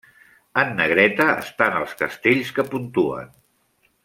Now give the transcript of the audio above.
En negreta estan els castells que puntuen.